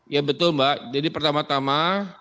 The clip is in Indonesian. ya betul mbak jadi pertama tama